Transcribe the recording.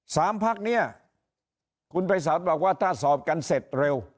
สามพักเนี่ยคุณภัยศาลบอกว่าถ้าสอบกันเสร็จเร็ว